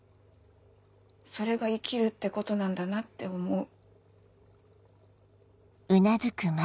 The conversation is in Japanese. それが生きるってことなんだなって思う。